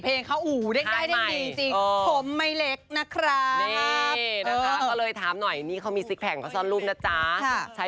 ค่อนข้างฟังแล้วเหมือนแบบ๒แง่๒นั่งหรือเปล่า